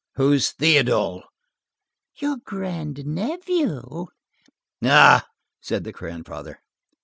"Who's Théodule?" "Your grandnephew." "Ah!" said the grandfather.